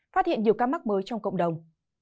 phát hiện nhiều ca mắc mới trong cộng đồng